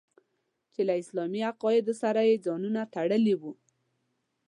چې له اسلامي عقایدو سره یې ځانونه تړلي وو.